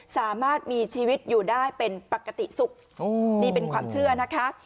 สามารถมีชีวิตอยู่ได้เป็นปกติสุขนี่เป็นความเชื่อนะคะ